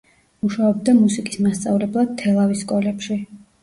მუშაობდა მუსიკის მასწავლებლად თელავის სკოლებში.